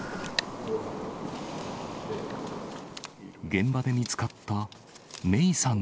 現場で見つかった、芽生さん